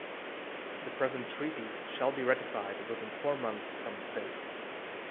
The present treaty shall be ratified within four months from its date.